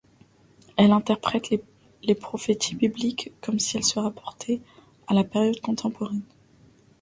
Elle interprète les prophéties bibliques comme si elles se rapportaient à la période contemporaine.